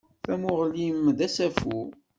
Tamuɣli-m d asafu.